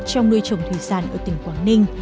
trong nuôi trồng thủy sản ở tỉnh quảng ninh